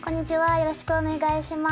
よろしくお願いします。